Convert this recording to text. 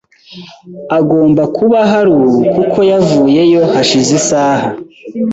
Agomba kuba ahari ubu kuko yavuyeho hashize isaha .